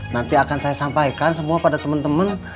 nanti akan saya sampaikan semua pada teman teman